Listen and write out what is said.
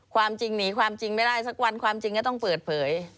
ความจริงหนีความจริงไม่ได้สักวันความจริงก็ต้องเปิดเผย